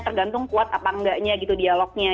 tergantung kuat apa enggaknya gitu dialognya